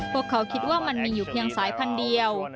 พวกเขาคิดว่ามันมีอยู่เพียงสายพันธุ์เดียว